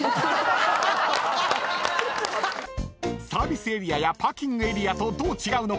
［サービスエリアやパーキングエリアとどう違うのか］